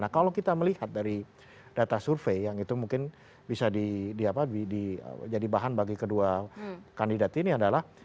nah kalau kita melihat dari data survei yang itu mungkin bisa jadi bahan bagi kedua kandidat ini adalah